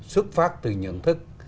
xuất phát từ nhận thức